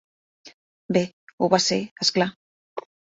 Bé, ho va ser, és clar.